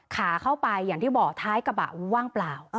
ขาเข้าไปอย่างที่บอกท้ายกระบะว่างเปล่า